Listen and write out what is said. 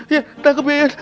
ya tangkep ya yan